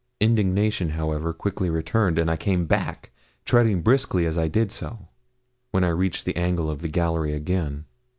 Indignation, however, quickly returned, and I came back, treading briskly as I did so. When I reached the angle of the gallery again.